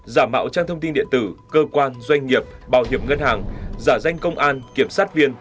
giả mạo trang thông tin điện tử cơ quan doanh nghiệp bảo hiểm ngân hàng giả danh công an kiểm sát viên